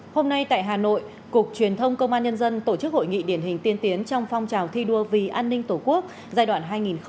hôm nay tại hà nội cục truyền thông công an nhân dân tổ chức hội nghị điển hình tiên tiến trong phong trào thi đua vì an ninh tổ quốc giai đoạn hai nghìn một mươi chín hai nghìn hai mươi bốn